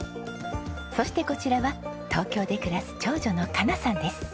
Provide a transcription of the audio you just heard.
そしてこちらは東京で暮らす長女の加奈さんです。